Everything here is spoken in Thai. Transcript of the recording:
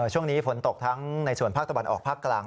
ช่วงนี้ฝนตกทั้งในส่วนภาคตะวันออกภาคกลาง